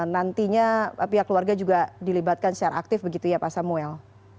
nantinya pihak keluarga juga dilibatkan secara aktif begitu ya pak samuel